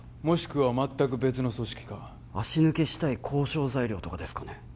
もしくは全く別の組織か足抜けしたい交渉材料とかですかね